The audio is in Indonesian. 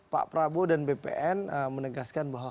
pak prabowo dan bpn menegaskan bahwa